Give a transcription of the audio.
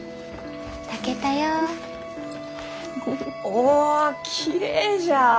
おおきれいじゃ！